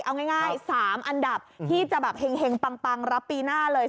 เอาง่าย๓อันดับที่จะแบบเห็งปังรับปีหน้าเลย